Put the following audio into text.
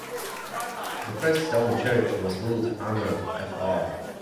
The first stone church was built under Fr.